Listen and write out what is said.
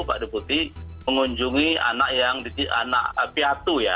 pak deputi mengunjungi anak yang anak piatu ya